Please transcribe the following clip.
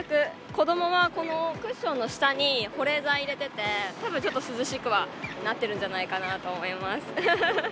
子どもはこのクッションの下に保冷剤入れてて、たぶんちょっと涼しくはなってるんじゃないかなと思います。